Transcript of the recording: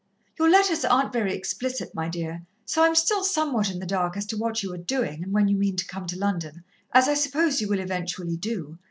"Your letters aren't very explicit, my dear, so I'm still somewhat in the dark as to what you are doing and when you mean to come to London, as I suppose you will eventually do.